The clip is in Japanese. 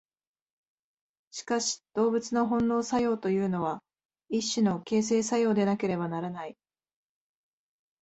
しかし動物の本能作用というのは一種の形成作用でなければならない。